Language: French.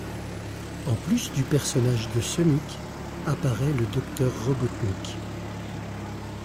En plus du personnage de Sonic, apparait le docteur Robotnik.